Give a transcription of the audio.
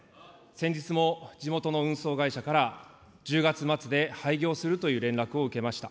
先日も地元の運送会社から、１０月末で廃業するという連絡を受けました。